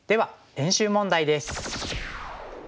練習問題です。